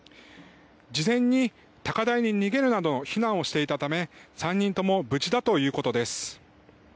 事前に高台に逃げるなど避難をしていたため３人とも無事だということです。